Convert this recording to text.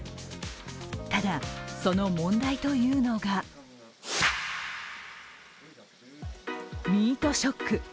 ただ、その問題というのがミートショック。